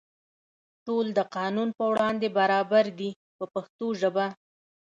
ټول د قانون په وړاندې برابر دي په پښتو ژبه.